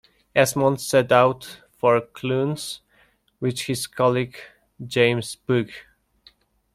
Esmond set out for Clunes, with his colleague James Pugh.